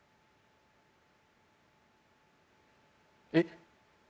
えっ？